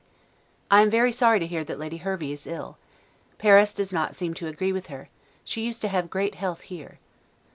I am very sorry to hear that Lady Hervey is ill. Paris does not seem to agree with her; she used to have great health here.